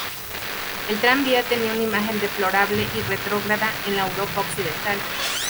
El tranvía tenía una imagen deplorable y retrógrada en la Europa occidental.